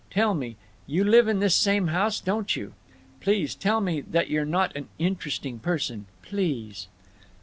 Tell me—you live in this same house, don't you? Please tell me that you're not an interesting Person. Please!"